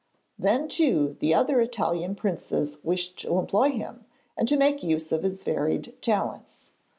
Then too the other Italian princes wished to employ him and to make use of his varied talents.